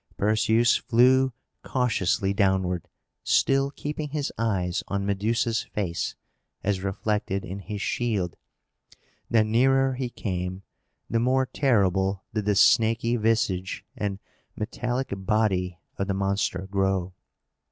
Perseus flew cautiously downward, still keeping his eyes on Medusa's face, as reflected in his shield. The nearer he came, the more terrible did the snaky visage and metallic body of the monster grow.